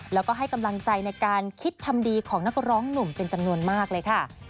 แล้วก็ให้กำลังใจในการคิดทำดีของนักร้องหนุ่มเป็นจำนวนมากเลยค่ะ